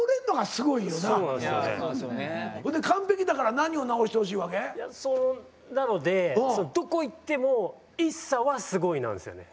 ほんで完璧だから何を直してほしいわけ？なのでどこ行っても「ＩＳＳＡはすごい」なんですよね。